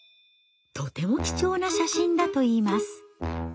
とても貴重な写真だといいます。